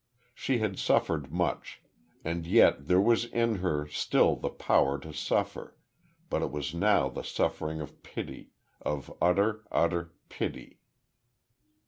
She had suffered much, and yet there was in her still the power to suffer; but it was now the suffering of pity of utter, utter pity....